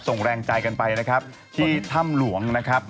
ส่งแรงใจกันไปนะครับที่ถ้ำหลวงนะครับ